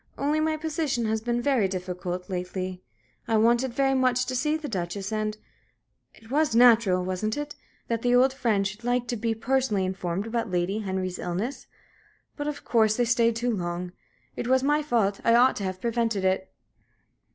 Only my position has been very difficult lately. I wanted very much to see the Duchess and it was natural wasn't it? that the old friends should like to be personally informed about Lady Henry's illness? But, of course, they stayed too long; it was my fault I ought to have prevented it."